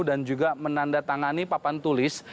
dan juga menandatangani papan tulis